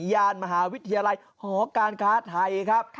ยานมหาวิทยาลัยหอการค้าไทยครับ